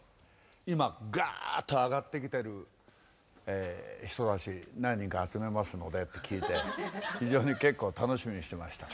「今ガッと上がってきてる人たち何人か集めますので」って聞いて非常に結構楽しみにしてました。